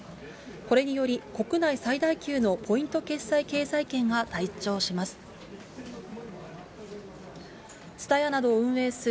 これにより、国内最大級のポイント決済経済圏が誕生します。